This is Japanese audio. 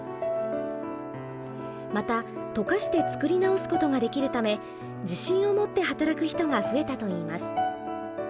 また溶かして作り直すことができるため自信を持って働く人が増えたといいます。